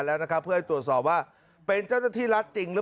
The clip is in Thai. แล้วก็ไม่เปิดไฟเลี้ยว